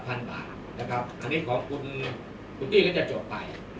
ก็๑๐๐๐บาทอันนี้ของคุณตี้ก็จะจบไป